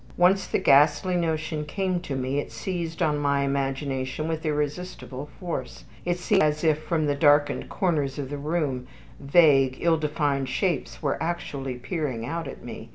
Once the ghastly notion came to me, it seized on my imagination with irresistible force. It seemed as if from the darkened corners of the room vague, ill defined shapes were actually peering out at me.